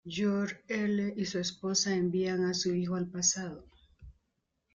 Jor-L y su esposa envían a su hijo al pasado.